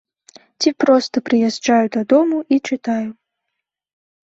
Ці проста прыязджаю дадому і чытаю.